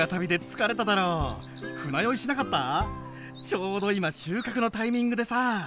ちょうど今収穫のタイミングでさ。